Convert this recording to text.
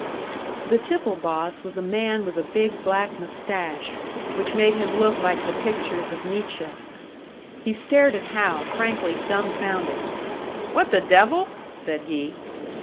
The tipple boss was a man with a big black moustache, which made him look like the pictures of Nietzsche. He stared at Hal, frankly dumbfounded. "What the devil?" said he.